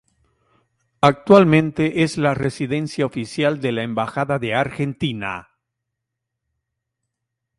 Actualmente es la residencia oficial de la embajada de Argentina.